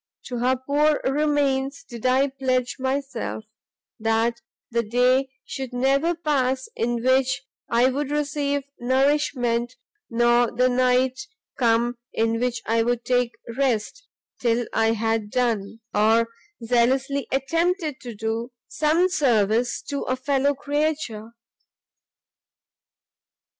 To her poor remains did I pledge myself, that the day should never pass in which I would receive nourishment, nor the night come in which I would take rest, till I had done, or zealously attempted to do, some service to a fellow creature.